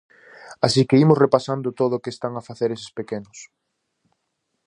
Así que imos repasando todo o que están a facer eses pequenos.